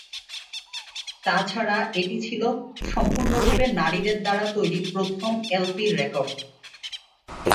তাছাড়া এটি ছিল সম্পূর্ণরূপে নারীদের দ্বারা তৈরি প্রথম এলপি রেকর্ড।